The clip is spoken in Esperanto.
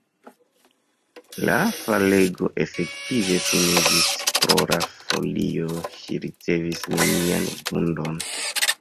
La falego efektive finiĝis! Pro la folioj ŝi ricevis nenian vundon.